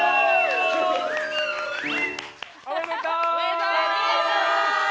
おめでとう！